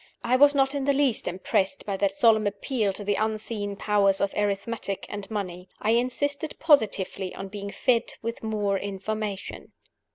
I was not in the least impressed by that solemn appeal to the unseen powers of arithmetic and money. I insisted positively on being fed with more information.